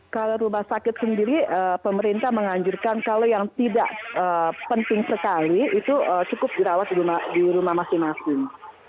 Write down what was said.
kalau rumah sakit sendiri pemerintah menganjurkan kalau yang tidak penting sekali itu cukup dirawat di rumah masing masing